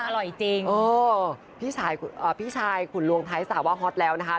อร่อยจริงเออพี่ชายขุนลวงไทยสาวว่าฮอตแล้วนะคะ